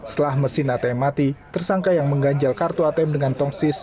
setelah mesin atm mati tersangka yang mengganjal kartu atm dengan tongsis